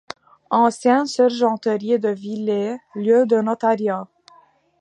Ancienne sergenterie de Villers, lieu de notariat.